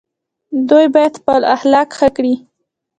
دوی باید خپل اخلاق ښه کړي.